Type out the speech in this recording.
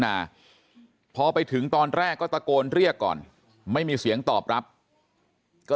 นาพอไปถึงตอนแรกก็ตะโกนเรียกก่อนไม่มีเสียงตอบรับก็